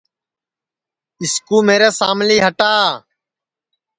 اِس کُو میرے انکھی سام لی ہٹا